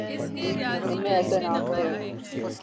ان میں ایسے نام تھے۔